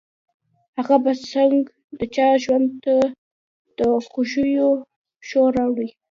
هغه به څنګه د چا ژوند ته د خوښيو شور راوړي.